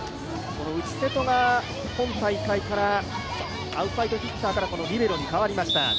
内瀬戸が今大会からアウトサイドヒッターからリベロにかわりました。